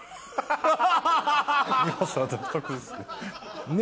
ハハハハ。